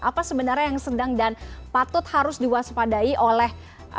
apa sebenarnya yang sedang dan patut harus diwaspadai oleh